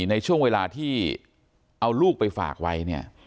ในช่วงเวลาที่เอาลูกไปฝากไว้เนี่ย